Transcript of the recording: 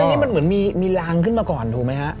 อันนี้มันเหมือนมีรางขึ้นมาก่อนถูกไหมฮะ